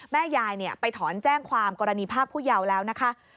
แม่ยายไปถอนแจ้งความกรณีภาคผู้เยาว์แล้วนะคะ